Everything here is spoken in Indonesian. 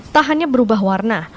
tak hanya berubah warna